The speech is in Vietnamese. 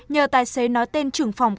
nhờ tài xế nói tên trưởng phòng